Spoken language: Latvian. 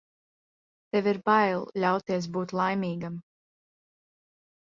Tev ir bail ļauties būt laimīgam.